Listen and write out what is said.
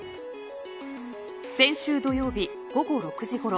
先週土曜日、午後６時ごろ